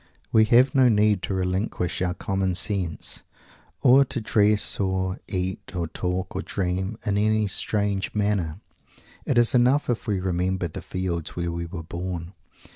We have no need to relinquish our common sense; or to dress or eat or talk or dream, in any strange manner. It is enough if we remember the fields where we were born.